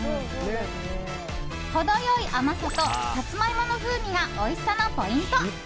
程良い甘さとサツマイモの風味がおいしさのポイント。